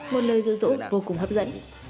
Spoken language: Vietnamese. một lời dỗ dỗ vô cùng hấp dẫn